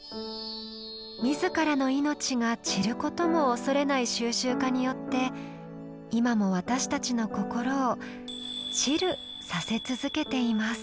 自らの命が散ることも恐れない収集家によって今も私たちの心を「チル」させ続けています。